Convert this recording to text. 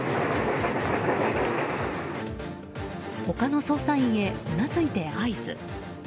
他の捜査員へうなずいて合図。